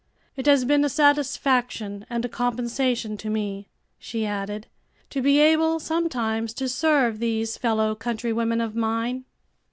"It has been a satisfaction and a compensation to me," she added, "to be able sometimes to serve these fellow country women of mine."